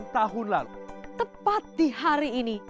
delapan puluh sembilan tahun lalu tepat di hari ini